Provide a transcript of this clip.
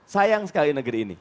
sayang sekali negeri ini